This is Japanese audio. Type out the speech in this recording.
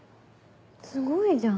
すごいじゃん。